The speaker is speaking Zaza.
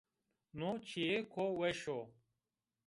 No çîyêko weş o.